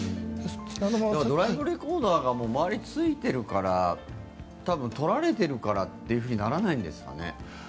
ドライブレコーダーが周り、ついてるから多分、撮られているからとならないんですかね。